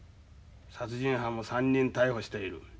殺人犯も３人逮捕している。